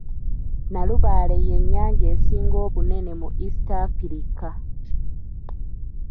Nalubaale ye nnyanja esinga obunene mu East Afirika.